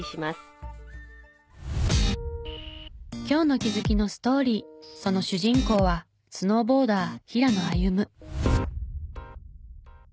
今日の気づきのストーリーその主人公はスノーボーダー平野歩夢。